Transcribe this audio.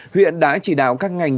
huyện đã chỉ đạo các ngành